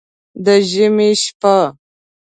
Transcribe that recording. د ژمي شپه